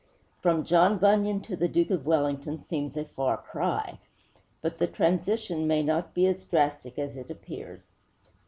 From John Bunyan to the Duke of Wellington seems a far cry. But the transition may not be as drastic as it appears. Dr.